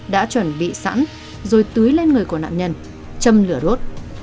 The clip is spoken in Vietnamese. đã chuẩn bị sẵn rồi tưới lên người của nạn nhân châm lửa đốt